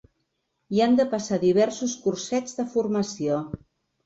I han de passar diversos cursets de formació.